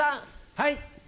はい。